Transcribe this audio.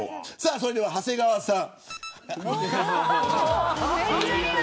それでは、長谷川さん。